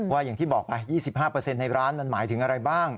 อย่างที่บอกไป๒๕ในร้านมันหมายถึงอะไรบ้าง